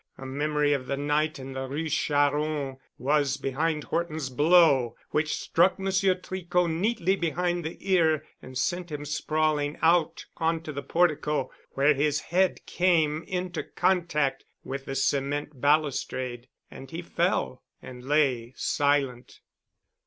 A memory of the night in the Rue Charron was behind Horton's blow which struck Monsieur Tricot neatly behind the ear and sent him sprawling out on the portico, where his head came into contact with the cement balustrade, and he fell and lay silent.